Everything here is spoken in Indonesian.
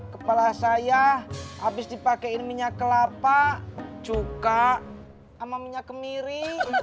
kepala saya habis dipakaiin minyak kelapa cuka sama minyak kemiri